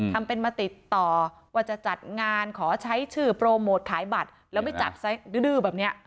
ทำเป็นมาติดต่อว่าจะจัดงานขอใช้ชื่อโปรโมทขายบัตรแล้วไม่จับดื้อแบบนี้